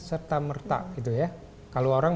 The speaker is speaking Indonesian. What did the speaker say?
serta merta gitu ya kalau orang